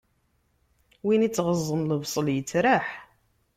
Win ittɣeẓẓen lebṣel, yettraḥ.